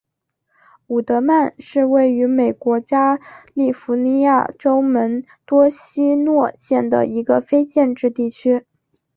伍德曼是位于美国加利福尼亚州门多西诺县的一个非建制地区。